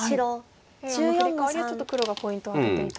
やはりあのフリカワリはちょっと黒がポイントを挙げていたんですか。